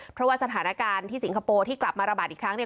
เพราะว่าสถานการณ์ที่สิงคโปร์ที่กลับมาระบาดอีกครั้งเนี่ย